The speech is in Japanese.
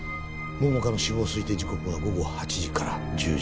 桃花の死亡推定時刻は午後８時から１０時の間。